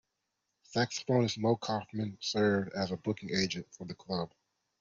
Saxophonist Moe Koffman served as the booking agent for the club.